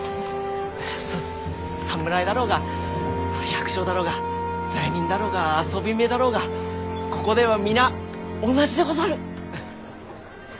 ささ侍だろうが百姓だろうが罪人だろうが遊び女だろうがここでは皆同じでござる。